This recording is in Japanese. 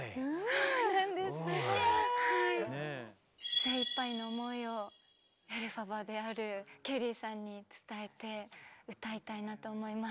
精いっぱいの思いをエルファバであるケリーさんに伝えて歌いたいなと思います。